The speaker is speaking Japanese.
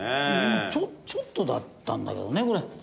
ちょっとだったんだけどねこれ。